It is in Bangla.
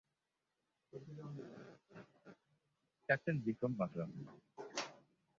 ক্যাপ্টেন বিক্রম বাতরা!